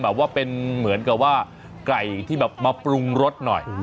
แบบว่าเป็นเหมือนกับว่าไก่ที่แบบมาปรุงรสหน่อย